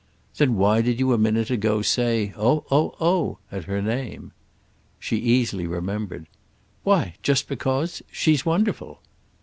"Then why did you a minute ago say 'Oh, oh, oh!' at her name?" She easily remembered. "Why just because—! She's wonderful."